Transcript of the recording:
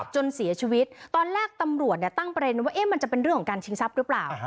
จนเสียชีวิตตอนแรกตำรวจตั้งประเด็นว่ามันจะเป็นเรื่องของการชิงทรัพย์หรือเปล่า